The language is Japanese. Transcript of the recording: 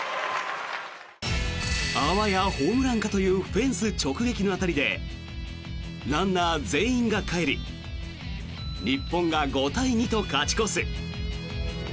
あわやホームランかというフェンス直撃の当たりでランナー全員がかえり日本が５対２と勝ち越す。